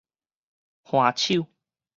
扞手